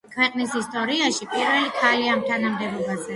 ქვეყნის ისტორიაში პირველი ქალი ამ თანამდებობაზე.